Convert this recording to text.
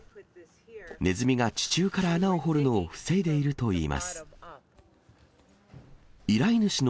ネズミが地中から穴を掘るのを防いでいるといいます。